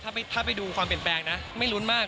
ถ้าไปดูความเปลี่ยนแปลงนะไม่ลุ้นมาก